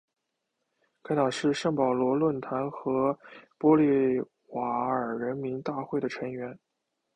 该党是圣保罗论坛和玻利瓦尔人民大会的成员。